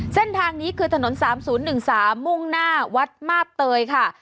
เส้นทางนี้คือถนน๓๐๑๓มุ่งหน้าวัดมาบเตยค่ะ